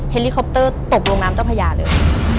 ลิคอปเตอร์ตกลงน้ำเจ้าพญาเลย